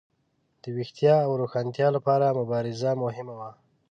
د ویښتیا او روښانتیا لپاره مبارزه مهمه وه.